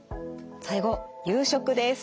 最後夕食です。